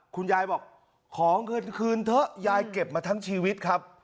คุณยายบอกขอเงินคืนเถอะยายเก็บมาทั้งชีวิตครับ